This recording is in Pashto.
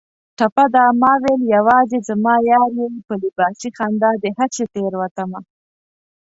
ټپه ده: ماوېل یوازې زما یار یې په لباسي خندا دې هسې تېروتمه